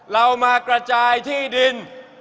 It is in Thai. เรามากระจายที่ดิน